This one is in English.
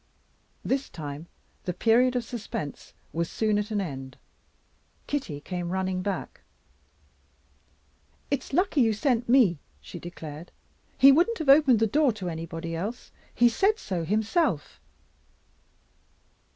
This time the period of suspense was soon at an end. Kitty came running back. "It's lucky you sent me," she declared. "He wouldn't have opened the door to anybody else he said so himself."